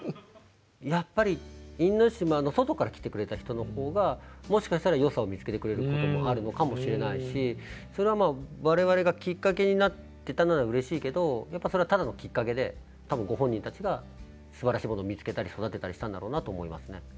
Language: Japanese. やっぱり因島の外から来てくれた人の方がもしかしたら良さを見つけてくれることもあるのかもしれないしそれは我々がきっかけになってたならうれしいけどやっぱりそれはただのきっかけで多分ご本人たちがすばらしいものを見つけたり育てたりしたんだろうなと思いますね。